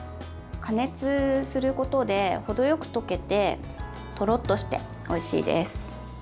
加熱することで程よく溶けてとろっとして、おいしいです。